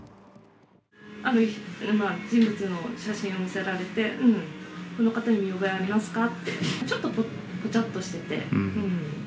ある人物の写真を見せられて、この方に見覚えありますかって、ちょっとぽちゃっとしてて。